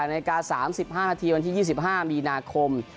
๑๘นาที๓๕นาทีวันที่๒๕มีนาคม